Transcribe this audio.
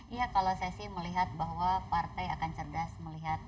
iya kalau saya sih melihat bahwa partai akan cerdas melihat